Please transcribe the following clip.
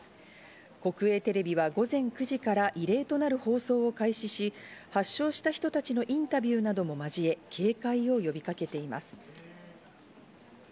国営テレビは午前９時から異例となる放送を開始し、発症した人たちのインタビューなども交え警戒を呼びかけています。